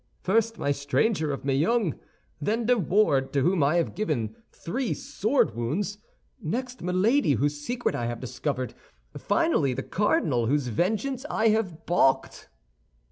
First, my stranger of Meung; then De Wardes, to whom I have given three sword wounds; next Milady, whose secret I have discovered; finally, the cardinal, whose vengeance I have balked."